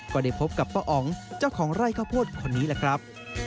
ก็ได้พบกับป้าอ๋องเจ้าของไร่ข้าวโพดคนนี้แหละครับ